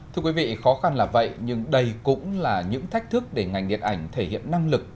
thưa quý vị khó khăn là vậy nhưng đây cũng là những thách thức để ngành điện ảnh thể hiện năng lực